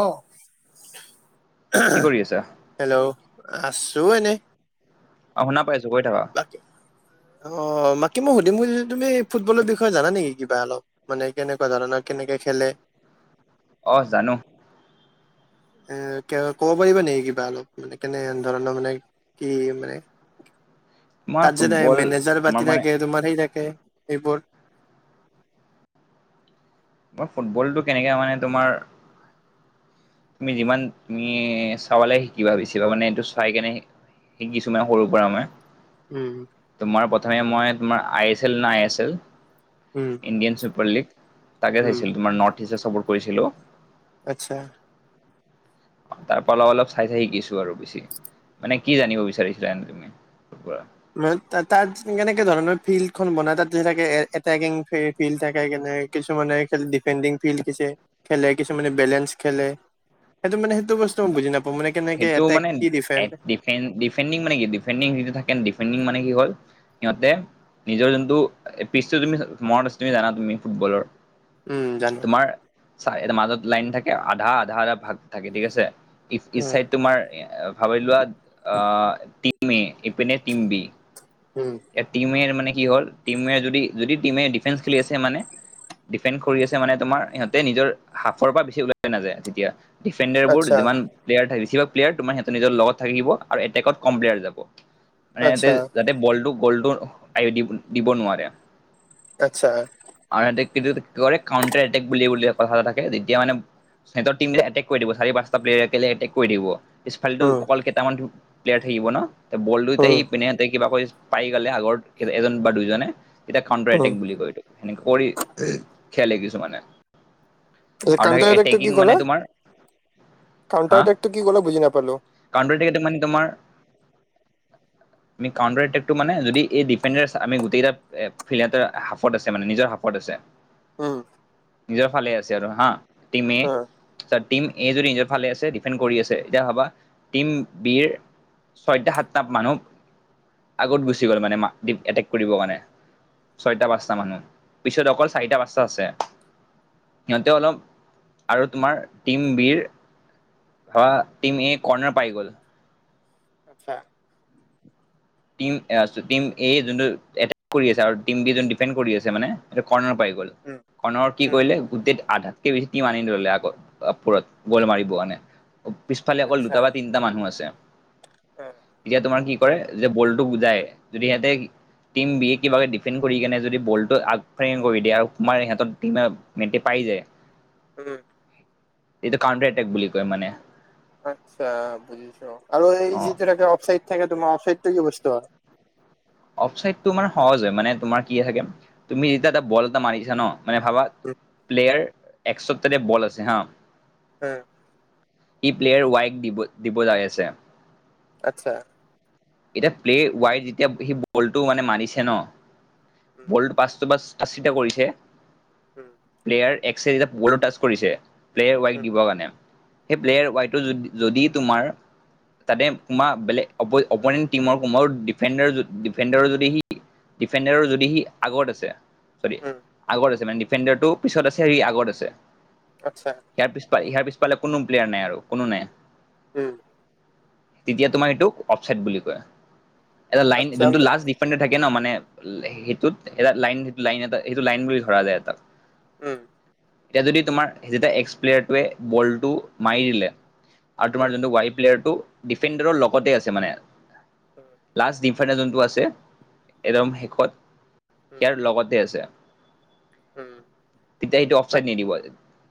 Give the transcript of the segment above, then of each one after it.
Of. কি কৰি [unintelligible] আছা? হেল্ল', আছো এনেই। অ শুনা পাইছো কৈ থাকা। অৱ বাকি মই সুধিম বুলি তুমি ফুটবলৰ বিষয়ে জানা নেকি কিবা অলপ! মানে কেনেকুৱা ধৰণৰ কেনেকে খেলে? অহ জানো। এ ক'ব পাৰিবা নেকি কিবা অলপ মানে কেনে ধৰণৰ মানে কি মানে। [unintelligible] তাত যেনে ফুটবল মেনেজাৰ তোমাৰ বাতি মানে থাকে তোমাৰ সেই থাকে সেইবোৰ। মই ফুটবলটো কেনেকৈ মানে তোমাৰ তুমি যিমান তুমি চাবালে শিকিবা বেছিভাগ বা মানে এইটো চাই কেনে শিকিছো মানে সৰুৰ পৰা আমা উম। তোমাৰ প্ৰথমে মই তোমাৰ আই এছ এল না I S L um, Indian Super League তাকে উম, চাইছিলো তোমাৰ নৰ্থ ইষ্ট চাপোৰ্ট কৰিছিলো আচ্ছা তাৰ পৰা অলপ অলপ চাই চাই শিকিছো আৰু বেছি, মানে কি জানিব বিচাৰিছা এনে তুমি মোৰ পৰা মানে তাত কেনেকে ধৰণৰ ফিল্ড খন বনাই তাত যোকে এ এটেকিং ফিল্ড থাকে কেনে কিছুমানে খেলি ডিফেডিং ফিল্ড শিকিছে খেলে কিছুমানে বেলেঞ্চ খেলে সেইটো মানে সেইটো বস্তু মই বুজি নাপাও মানে কেনেকে সেইটো এটেক মানে কি ডিফেন্স ডিফেন ডিফেফণ্ডিং মানে কি, ডিফেণ্ডিং যিটো থাকে ডিফেণ্ডিং মানে কি হ'ল সিহঁতে নিজৰ যোনটো পিছটো তুমি মনত আছে তুমি জানা তুমি ফুটবলৰ উম জানো তোমাৰ চা মাজত লাইন থাকে আধা আধা আধা ভাগ থাকে ঠিক আছে ইচ ইচ উম চাইড তোমাৰ ভাবি লোৱা টিম এ ইপিনে টিম বি উম ইয়াত টিম এ মানে কি হ'ল টিম এ যদি যদি টিম এ ডিফেন্স খেলি আছে মানে ডিফেণ্ড কৰি আছে মানে তোমাৰ সিহঁতে নিজৰ হাফৰ পৰা বেছি ওলাই নাযায় যেতিয়া ডিফেণ্ডাৰবোৰ আচ্ছা যিমান প্লেয়াৰ থাকে বেছিভাগ প্লেয়াৰ তোমাৰ সিহঁত নিজৰ লগত থাকিব আৰু এটেকত কম প্লেয়াৰ যাব মানে হেতে আচ্ছা যাতে বলটো গ'লটো আয় দিব নোৱাৰে আচ্ছা আৰু এটেক্ টো কি বুলি কয় কাউন্টাৰ এটেক বুলি কথা এটা থাকে তেতিয়া মানে সিহঁৰ টিম এটেক কৰি দিব চাৰি পাঁচটা প্লেয়াৰলে এটেক কৰি দিব পিছফালটো উম অকল কেইটামান প্লেয়াৰ থাকিব ন, বলটোত উম সেই পিনেহেঁতে কিবা কৰি পাৰি গালে আগৰ এজন বা দুইজনে এতিয়া কাউণ্টাৰ উম এটেক বুলি কয় এইতো সেনেকে কৰি খেলে কিছু মানে এই আৰু থাকে কাউণ্টাৰ এটেকিং মানে তোমাৰ হা কউণ্টাৰ এটেক টো কি কলে বুজি নাপালো কাউণ্টাৰ এটেক টো মানে তোমাৰ আমি কাউণ্টাৰ এটেক টো মানে যদি এই ডিফেণ্ডাৰ আমি গোটেইকেইটা ফিল এটাৰ হাফত আছে মানে নিজৰ হাফত আছে উম নিজৰ ফালে আছে আৰু হা টি এ উম আচ্ছা টিম এ যদি নিজৰ ফালে আছে ডিফেণ্ড কৰি আছে এতিয়া ভাবা টিম বিৰ ছয়টা সাতটা মানুহ আগত গুচি গ'ল মানে মা দিপ এটেক কৰিবৰ কাৰণে ছয়টা পাঁচটা মানুহ পিছত অকল চাৰিটা পাঁচটা আছে সিহঁতে অলপ আৰু তোমাৰ টিম বিৰ ধৰা টিম এ কৰ্নাৰ পাই গ'ল আচ্ছা টিম এয়াছো, টিম এ যোনটো এটেক কৰি আছে আৰু টিম বি যোন ডিফেণ্ড কৰি আছে মানে এটো কৰ্ণাৰ পাই গল, উম কৰ্নাৰত কি উম কৰিলে গোটেইত আধা কে বেছি টিম আনি ললে আকৌ ওপৰত গোল মাৰিব কাৰণে পিছফালে অকল আচ্ছা দুটা বা তিনি মানুহ আছে উম এতিয়া তোমাৰ কি কৰে যে বলটো বুজায় যদি সিহঁতে টিম বিয়ে কিবাকৈ ডিফেণ্ড কৰি কেনে যদি বলটো আগফেৰেঙ কৰি দিয়ে আৰু তোমাৰ ইহঁত টিমে মেটি পাই যায় [inaudible] উম এইটো কাউণ্টাৰ এটেক বুলি কয় মানে। আচ্ছা বুজিছো আৰু এই অ'। যিটো থাকে অফচাইড থাকে তোমাৰ অফচাইডটো কি বস্তু হয় অফচাইড তোমাৰ সহজ হয় মানে তোমাৰ কি আহে গে তুমি যেতিয়া এটা বল এটা মাৰি দিছা ন মানে ভাবা উম প্লেয়াৰ এক্সৰ তাতে বল আছে হা হয় ই প্লেয়াৰ ৱাইক দিব দিব যাই আছে আচ্ছা এতিয়া প্লে ৱাই যেতিয়া সেই বলটো মানে মাৰিছে ন উম বলটো পাঁচটো পাঁচ আশিটা [unintelligible] কৰিছে উম প্লেয়াৰ এক্সে যেতিয়া বলটো টাছ কৰিছে প্লেয়াৰ ৱাইক উম দিবৰ কাৰণে সেই উম প্লেয়াৰ ৱাইটো যদি যদি তোমাৰ তাতে তোমাৰ বেলেগ অপ' অপনেণ্ট টিমৰ কোনো ডিফেণ্ডাৰ যদি ডিফেণ্ডাৰৰ যদি সি ডিফেণ্ডাৰৰ যদি সি আগত আছে চৰি উম আগত আছে মানে ডিফেণ্ডাৰটো পিছত আছে সি আগত আছে আচ্ছা ইয়াৰ পিছফা ইয়াৰ পিছফালে কোনো প্লেয়াৰ নাই আৰু কোনো নাই উম তেতিয়া তোমাৰ সেইটোক অফচাইড বুলি কয়। এটা লাইন আচ্ছা উম যোনটো লাস্ট [unintelligible] থাকে ন মানে সেইটোত এটা লাইন সেটো লাইন এটা সেইটো লাইন বুলি ধৰা যায় এটা। উম এতিয়া যদি তোমাৰ যেতিয়া এক্স প্লেয়াৰটোৱে বলটো মাৰি দিলে আৰু তোমাৰ যোনটো ৱাই প্লেয়াৰটো ডিফেণ্ডাৰৰ লগতে আছে মানে উম লাষ্ট ডি ডিফেণ্ডাৰ যোনটো আছে একদম শেষত উম ইয়াৰ লগতে আছে উম তেতিয়া সেইটো অফচাইড নিদিব।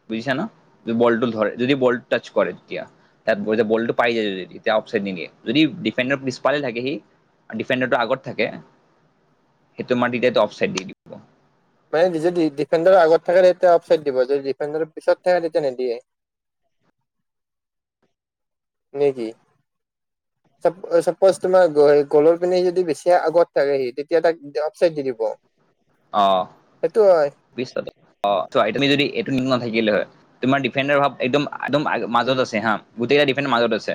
বুজিছা ন যদি বলটো ধৰে যদি বলটো টাচ কৰে তেতিয়া তাত বলটো পাই যায় যদি তেতিয়া অফচাইড নিদিয়ে যদি ডিফেণ্ডাৰৰ পিছফালে থাকে সি ডিফেণ্ডাৰটো আগত থাকে সেইটো মাৰিলে তো অফচাইড দি দিব মানে সি যদি ডিফেণ্ডাৰৰ আগত থাকে তেতিয়া অফচাই দিব যদি ডিফেণ্ডাৰৰ পিছত থাকে তেতিয়া নিদিয়ে। নিদিয়ে [inaudible] চাপজ তোমাৰ গোলৰ পিনে যদি বেছি আগত থাকে সি তেতিয়া তাক অফচাইড দি দিব অ সেইটো হয় বিশটাকৈ অ চোৱা তুমি যদি এইটো নাথাকিলে হয় তোমাৰ ডিফেণ্ডাৰৰ ভাব একদম একদম মাজত উম আছে হাঁ গোটেইকেইটা ডিফেণ্ড মাজত আছে।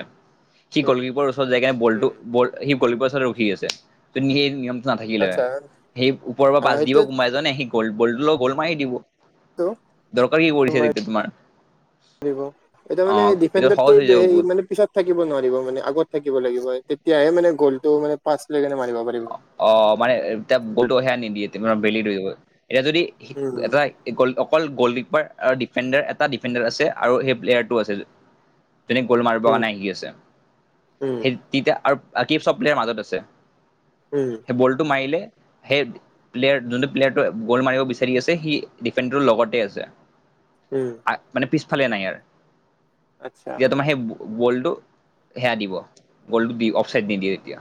সি উম গ'লকিপৰৰ ওচৰত যায় কিনে বলটো উম বল সি গলিপাৰৰ উচৰত ৰখি আছে হা তো সেই নিয়মটো নাথাকিলে আচ্ছা হয় সেই ওপৰৰ পৰা অ পাছ দিব সেইটোৱেটো কোনোবা এজনে সি বলটো লৈ গ'ল মাৰি দিব দৰকাৰ কি কৰিছে তেতিয়া তোমাৰ দিব এতিয়া অ মানে এইটো সহজ ডিফেণ্ডাৰটো হৈ যাব হেৰি বহুত মানে পিছত থাকিব নোৱাৰিব মানে আগত থাকিব লাগিব তেতিয়াহে মানে গ'লটো মানে পাচ লৈ কেনে মাৰিব পাৰিব অ মানে গলটো সেয়া নিদিয়ে বেলি ধৰিব এতিয়া যদি উম এটা গল অকল গ'লকিপাৰ আৰু ডিফেণ্ডাৰ এটা ডিফেণ্ডাৰ আছে আৰু সেই প্লেয়াৰ টো আছে তেনে গ'ল মাৰিবৰ উম কাৰণে আহি আছে উম সেই তেতিয়া আৰু কি সব প্লেয়াৰ মাজত আছে উম সেই বলটো মাৰিলে হেই প্লেয়াৰ যোনটো প্লেয়াৰটো গ'ল মাৰিব বিচাৰি আছে সি ডিফেণ্ডাৰৰ লগতে আছে উম আ মানে পিছফালে নাই আৰ। আচ্ছা এতিয়া তোমাৰ সেই ব- গ'লটো সেয়া দিব। গ'লটো দি অফ চাইড দি দিয়ে এতিয়া।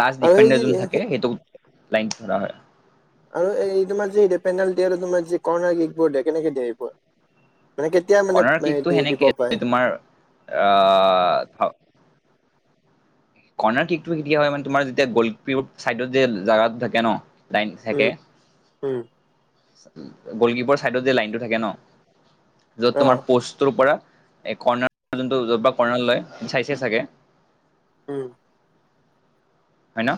লাষ্ট আৰু সেই ডিফেণ্ডাৰ যোন যে থাকে সেইটো লাইন ধৰা হয়। আৰু এই তোমাৰ যি পেনাল্টি আৰু তোমাৰ যি কৰ্ণাৰ কি লীগবোৰ দিয়ে কেনেকে দিয়ে এইবোৰ? মানে কেতিয়া মানে দি দিব পাৰে? আ থ, কৰ্ণাৰ কেকটো কেতিয়া হয় মানে তোমাৰ যেতিয়া গল্ড পিইপ চাইডত যে জেগা থাকে ন। লাইন থাকে, উম, উম, গলকিপৰ চাইডত যে লাইনতটো থাকে ন, য'ত অ', তোমাৰ পষ্টটোৰ পৰা, এ কৰ্ণাৰ যোনটো যত পৰা কৰ্ণাৰ লয়, চাইছে চাগে? উম। হয় ন?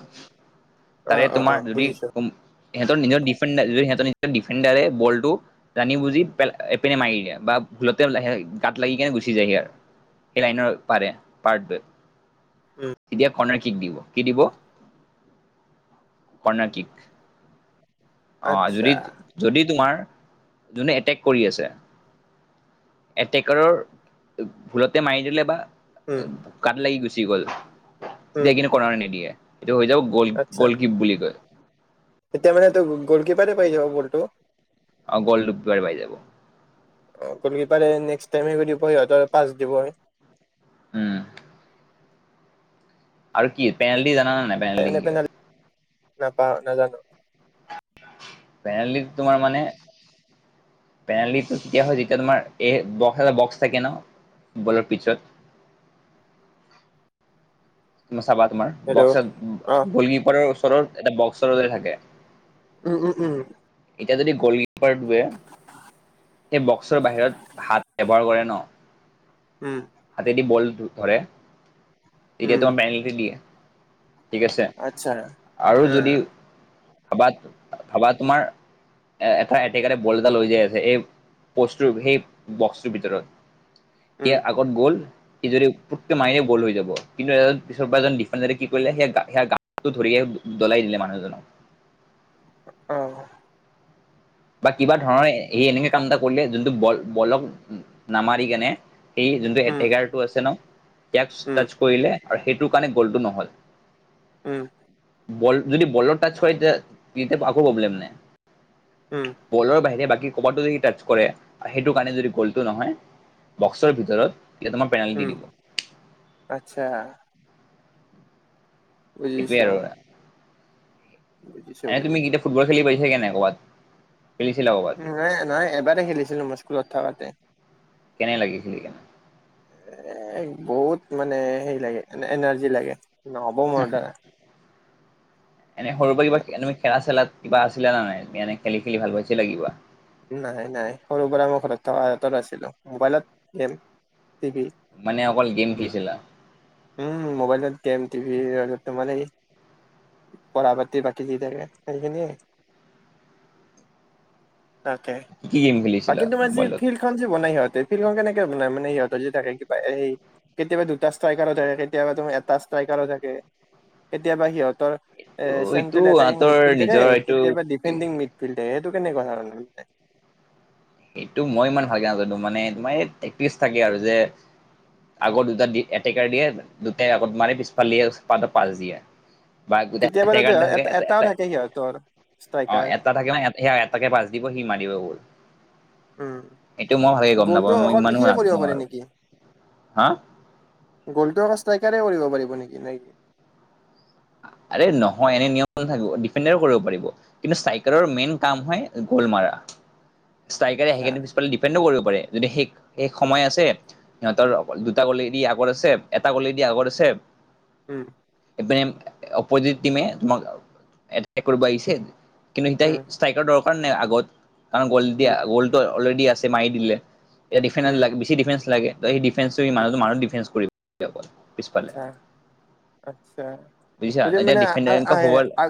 তাৰে অ', অ', তোমাৰ অ', যদি, বুজিছো। সিহঁতৰ নিজৰ ডিফেণ্ডাৰ, যদি সিহঁতৰ নিজৰ ডিফেণ্ডাৰে বলটো, জানি বুজি এপিনে মাৰি দিয়ে। বা ভুলতে গাত লাগি কেনে গুচি যায় হি আৰ। সেই লাইনৰ পাৰে পাৰটে, উম, তেতিয়া কৰ্ণাৰ কিক দিব। কি দিব? Corner kick. অ আচ্ছা, যদি, যদি তোমাৰ যোনে এটেক কৰি আছে, এটেকাৰৰ ভুলতে মাৰি দিলে বা, উম, গাত লাগি গুচি গ'ল। উম, তেতিয়া কিন্তু কৰ্ণাৰ নিদিয়ে। এইটো হৈ যাব গ'ল আচ্ছা, গ'লকীপ বুলি কয়। তেতিয়া মানে ত গ'লকিপাৰে পাই যাব বলটো? অ গল ডুবলাৰ পাই যাব। অ গলকিপাৰে নেক্সট টাইমে কৰি দিব সিহঁতৰ পাচ দিব। উম। আৰু কি পেনাল্টি জানা নে নাই? এনে কি হয় পেনাল্টি নাপাওঁ নাজানো। পেনাল্টি তোমাৰ মানে, পেনাল্টিটো তেতিয়া হয় যেতিয়া তোমাৰ এই বক্স এটা বক্স থাকে ন, ফুটবলৰ পিছত। ন চাবা তোমাৰ, হেল্ল' বক্স অ', গলকিপাৰৰ ওচৰত এটা বক্সৰতে থাকে। উম উম উম। এতিয়া যদি গ'লকিপাৰটোৱে, সেই বক্সৰ বাহিৰত হাত ব্যৱহাৰ কৰে ন, উম। হাতেদি বল ধৰে, তেতিয়া উম, তোমাৰ পেনাল্টি দিয়ে। ঠিক আছে। আচ্ছা, আৰু যদি অ', ভাবা ভাবা তোমাৰ, এ এফায়েটিকাৰে বল এটা লৈ যায় যে এই, প'ষ্টৰ সেই বক্সটোৰ ভিতৰত। উম, সেয়া আগত গ'ল, সি যদি পুটকে মায়ে গ'ল হৈ যাব। কিন্তু এজন পিছৰ পৰা এজন ডিফেন্ডাৰে- কৰিলে সে সেয়া গাটো ধৰি দলিয়াই দিলে মানুহজনক। অহ। বা কিবা ধৰণৰ সেই এনেকে কাম এটা কৰিলে যোনটো বল বলক নামাৰি কেনে, সেই যোনটো উম, এটেকাৰটো আছে ন, ইয়াক উম, টাচ কৰিলে আৰু সেইটোৰ কাৰণে গ'লটো নহল। উম। বল যদি বলৰ টাচ হয় তেতিয়া তেতিয়া একো প্ৰব্লেম নাই। উম। বলৰ বাহিৰে বাকী ক'বাতটো যদি টাচ কৰে সেইটো কাৰণে যদি গ'লটো নহয়। বক্সৰ ভিতৰত কেইটামান পেনাল্টি উম, দিব। আচ্ছা। সেইটোৱে বুজিছো। আৰু বুজিছো এনে তুমি বুজিছো কেতিয়া ফুটবল খেলি পাৰছাগে নে ক'ৰবাত। খেলিছিলা ক'ৰবাত নাই নাই এবাৰেই খেলিছিলো মই স্কুলত থাকাতে। কেনে লাগে খেলিকেনে? এ বহুত মানে হেৰি লাগে এ এনাৰ্জি লাগে নহ'ব মোৰ দ্বাৰা। এনে সৰুৰ পৰা কিবা তুমি খেলা চেলাত কিবা আছিলা নাই এনে খেলি খেলি ভাল পাইচিলা কিবা। নাই নাই সৰু পৰা মই ঘৰত থকা এটা আছিলো মোবাইলত গেম, টিভি। মানে অকল গেম খেলিছিলা? উম মোবাইলত গেম টিভিৰত ত মানে হেই। পঢ়া পাতি বাকী দি থাকে সেইখিনিয়ে। তাকে কি কি গেম খেলিছিলা বাকী তোমাৰ যি মোবাইলত ফিল্ডখন যে বনাই সিহঁতে। ফিল্ডখন কেনেকে বনাই মানে সিহঁত যদি থাকে কিবা এই কেতিয়াবা দুটা স্তা ষ্টাইকাৰো থাকে কেতিয়াবা তোমাৰ এটা ষ্ট্ৰাইকাৰো থাকে কেতিয়াবা সিহঁতৰ এ এইটো চেন্ট্ৰেল এটেকিং সিহঁতৰ মিড ফিল্ড নিজৰ থাকে এইটো কেতিয়াবা ডিফেণ্ডিং মিড ফিল্ডাথাকে সেইটো কেনেকুৱা ধৰণ মানে এইটো মই ইমান ভালকে নাজানো মানে তোমাৰ টেক্টিছ থাকে আৰু যে আগৰ দুটা দি এটেকাৰ দিয়ে দুটাই আগত মাৰি পিছফাল দিয়ে তাহাতক পাছ দিয়ে। বা দুটা কেতিয়াবা এটেকাৰ থাকে এটা এটাও এটা থাকে সিহঁতৰ অ' ষ্ট্ৰাইকাৰ এ এটা থাকে ন সেই এটাকে পাচ দিব সি মাৰিব গল। উম এইটো মই ভালকে গম নাপাওঁ গ'লটো মই অকল ইমানো সিয়ে নাজানো কৰিব পাৰে আৰু নেকি? হা গ'লটো স্তাইকাৰ কৰিব পাৰিব নেকি নে কি? আৰে নহয় এনে নিয়ম নাথাকিব ডিফেণ্ডৰও কৰিব পাৰিব। কিন্তু চাইকেলৰ মেইন কাম হয় গল মাৰা। ষ্ট্ৰাইকাৰে আহি আচ্ছা কেনি পিছফালে ডিফেণ্ডো কৰিব পাৰে যদি সেই সেই সময় আছে সিহঁতৰ দুটা গলে দি আগত আছে এটা গলে দি আগত আছে। উম। এপিনে অপজিত টিমে তোমাক এতেক কৰিব আহিছে কিন্তু সীতা সেই উম ষ্ট্ৰাইকাৰ দৰকাৰ নাই আগত কাৰণ গ'ল দিয়া উম গ'লটো অলৰেডি আছে মাৰি দিলে। এ ডিফেন্ উম লাগে বেছি ডিফেন্স লাগে ত সেই ডিফেন্সটো মানুহটো মানুহটো ডিফেন্স কৰিব অকল। পিছফালে আতছা আতচা। বুজিছা যদি এতিয়া মানে আহ ডিফেন্ড আহ আহে হ'ব আ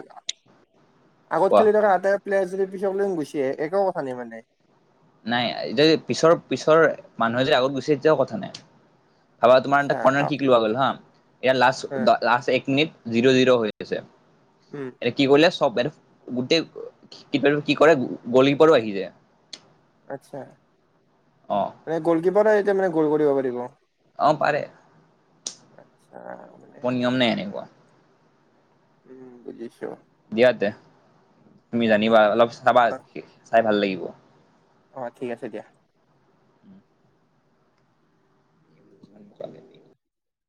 আগত কোৱা খেলি থকা হাতে পিলে যদি পিছকলেও গুচি আহে একো কথা নাই মানে। নাই এতিয়া যদি পিছৰ পিছৰ মানুহে যদি আগত গুচি আহে তেতিয়াও কথা নাই। ভাবা তোমাৰ আচ্ছা এটা কৰ্ণাৰ কিক লোৱা গল হা ইয়াৰ লাষ্ট দ লাষ্ট এক মিনিট জিৰ জিৰ হৈ আছে। উম। এ কি কৰিলে চব এটো গোটেই কি কৰে গল কীপাৰো আহি যায়। আচছা অ মানে গলকিপাৰেও এতিয়া মানে গল কৰিব পাৰিব। অ' পাৰে। [unintelligible] মোৰ নিয়ম নাই এনেকুৱা। উম বুজিছো। দিয়া তেতিয়া তুমি জানিবা অলপ চাবা অ চাই ভাল লাগিব। অ' ঠিক আছে দিয়া। লাগিব